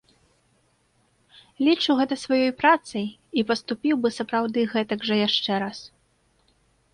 Лічу гэта сваёй працай і паступіў бы сапраўды гэтак жа яшчэ раз.